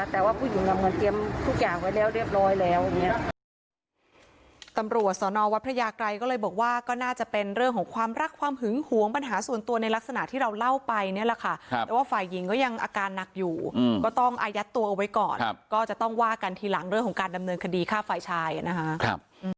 แต่ว่าผู้หญิงนำเงินเตรียมทุกอย่างไว้แล้วเรียบร้อยแล้วอย่างนี้